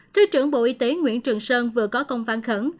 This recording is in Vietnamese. thứ trưởng bộ y tế nguyễn trường sơn vừa có công văn khẩn